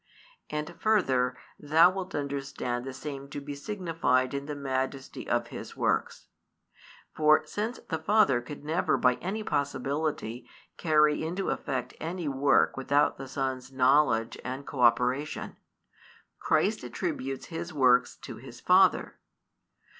And further, thou wilt understand the same to be signified in the majesty of His works. For since the Father could never by any possibility carry into effect any work without the Son's knowledge and co operation, Christ attributes His works to His Father.